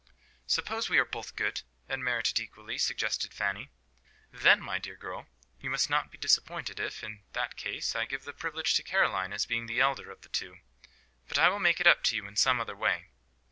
"Suppose we are both good, and merit it equally?" suggested Fanny. "Then, my dear little girl, you must not be disappointed if, in that case, I give the privilege to Caroline, as being the elder of the two. But I will make it up to you in some other way."